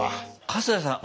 春日さん